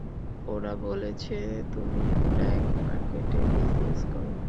ওরা বলেছে তুমি ব্ল্যাক মার্কেটের বিজনেস করো।